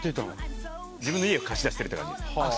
自分の家を貸し出してるっていう感じです。